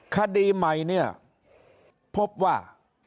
คดีใหม่เนี่ยพบว่า